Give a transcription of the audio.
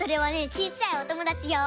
ちいちゃいおともだちよう。